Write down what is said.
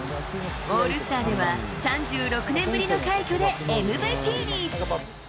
オールスターでは３６年ぶりの快挙でＭＶＰに。